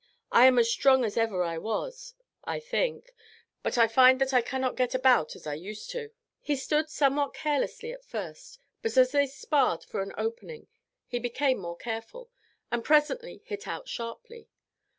I am as strong as ever I was, I think, but I find that I cannot get about as I used to." He stood somewhat carelessly at first, but as they sparred for an opening he became more careful, and presently hit out sharply.